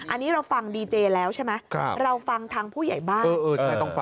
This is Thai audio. อันนี้เราฟังดีเจแล้วใช่ไหมเราฟังทางผู้ใหญ่บ้าน